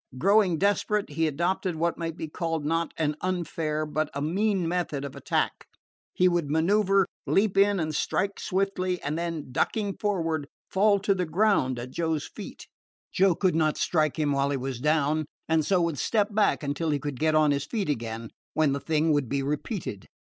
Growing desperate, he adopted what might be called not an unfair but a mean method of attack: he would manoeuver, leap in and strike swiftly, and then, ducking forward, fall to the ground at Joe's feet. Joe could not strike him while he was down, and so would step back until he could get on his feet again, when the thing would be repeated.